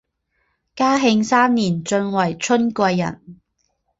嘉庆三年晋为春贵人。